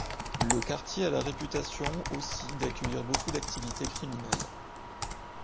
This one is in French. Le quartier a la réputation aussi d’accueillir beaucoup d'activités criminelles.